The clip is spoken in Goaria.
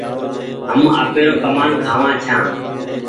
هم آپير ڪمآن کآوآن ڇآن